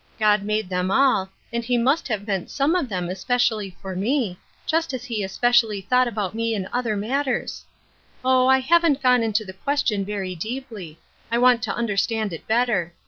God made them all, and he must have meant some of them specially for me, just as he specially thought about me in other matters. Oh, I haven'1 gone into the question very deeply ; I want to understand it better.